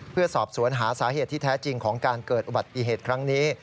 เพื่อสอบสวนหาสาเหตุที่แท้จริงของการเกิดอุบัติเหตุครั้งนี้